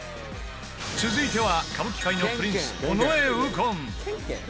続いては歌舞伎界のプリンス、尾上右近